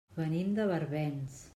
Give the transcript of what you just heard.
Venim de Barbens.